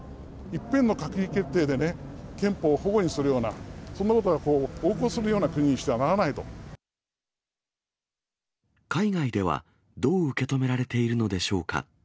いっぺんの閣議決定でね、憲法をほごにするような、そんなことが横行するような国にしては海外ではどう受け止められているのでしょうか。